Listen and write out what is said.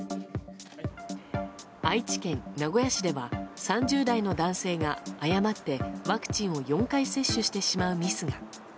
愛知県名古屋市では３０代の男性が誤ってワクチンを４回接種してしまうミスが。